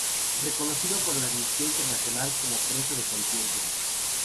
Reconocido por la "Amnistía Internacional" como preso de conciencia.